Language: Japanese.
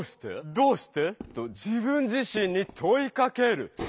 「どうして？」と自分自しんにといかける！